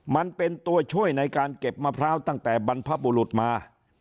มันเป็นตัวช่วยในการเก็บมะพร้าวตั้งแต่บรรพบุรุษมา